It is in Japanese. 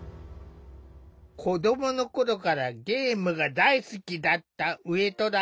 子どもの頃からゲームが大好きだった上虎。